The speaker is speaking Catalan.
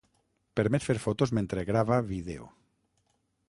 Permet fer fotos mentre grava vídeo.